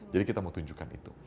jadi kita mau tunjukkan itu